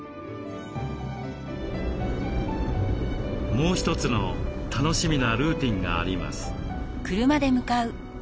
もう一つの楽しみなルーティンがあります。